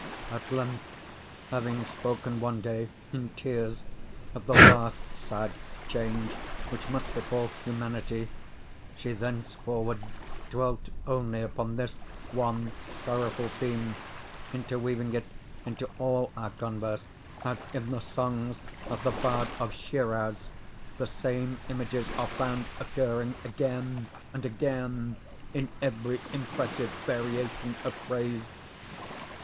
At length, having spoken one day, in tears, of the last sad change which must befall Humanity, she thenceforward dwelt only upon this one sorrowful theme, interweaving it into all our converse, as, in the songs of the bard of Schiraz, the same images are found occurring, again and again, in every impressive variation of phrase.